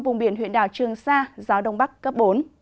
vùng biển huyện đảo trường sa gió đông bắc cấp bốn